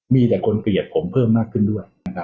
มีแต่คนเกลียดผมเพิ่มมากขึ้นด้วย